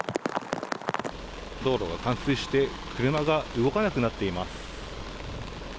道路が冠水して、車が動かなくなっています。